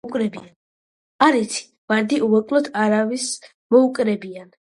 “არ იცი, ვარდი უეკლოდ არავის მოუკრებიან!”